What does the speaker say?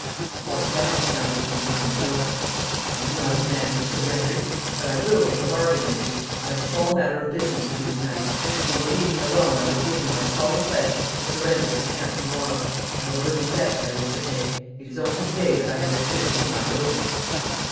A hoarse laugh sounded from behind the door. 'I am not a man who surrenders. But I will make a bargain with you. I have a small matter of business to do to night. If you will leave me alone, I will give you my solemn pledge to surrender at the camp to morrow. I have a little debt that I wish to pay. It is only to day that I understood to whom I owed it.'